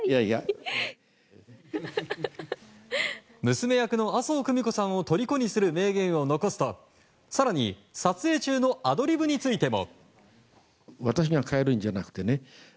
娘役の麻生久美子さんをとりこにする名言を残すと更に撮影中のアドリブについても。